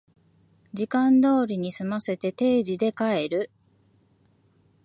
時間通りに済ませて定時で帰る